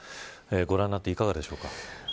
ご覧になって、いかがですか。